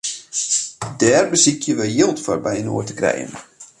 Dêr besykje we jild foar byinoar te krijen.